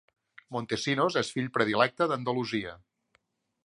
Montesinos és Fill Predilecte d'Andalusia.